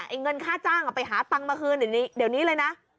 เงินค่าจ้างไปหาตังค์มาคืนเดี๋ยวนี้เลยนะ